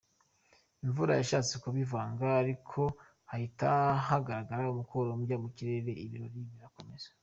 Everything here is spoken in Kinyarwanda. Imvura yashatse kubivanga ariko hahita hagaragara umukororombya mu kirere ibirori birakomeza.